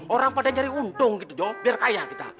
orang pada nyari untung gitu biar kaya kita